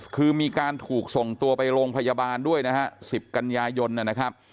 คือมีการถูกส่งตัวไปโรงพยาบาลด้วยนะฮะ๑๐กันยายนนะครับ